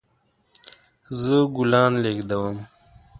زه ګلان لیږدوم